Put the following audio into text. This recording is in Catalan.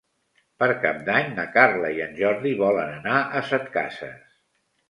Per Cap d'Any na Carla i en Jordi volen anar a Setcases.